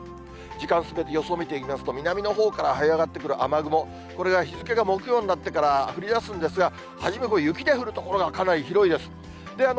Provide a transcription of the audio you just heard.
時間進めて、予想見ていきますと、南のほうからはい上がってくる雨雲、これが日付が木曜になってから降りだすんですが、初め、雪で降る所がかなり広いです。